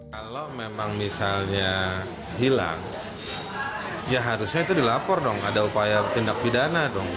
kalau memang misalnya hilang ya harusnya itu dilapor dong ada upaya tindak pidana dong